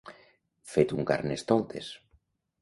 Fet un carnestoltes.